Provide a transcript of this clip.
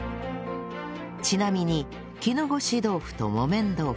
ちなみに絹ごし豆腐と木綿豆腐